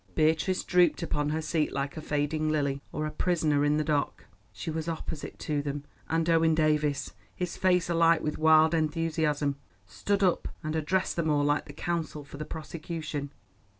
Beatrice drooped upon her seat like a fading lily, or a prisoner in the dock. She was opposite to them, and Owen Davies, his face alight with wild enthusiasm, stood up and addressed them all like the counsel for the prosecution.